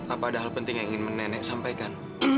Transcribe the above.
apa ada hal penting yang ingin menenek sampaikan